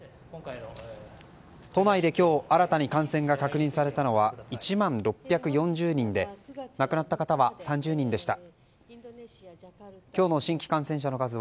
都内で今日新たに感染が確認されたのは１万６４０人で亡くなった方は３０人でした。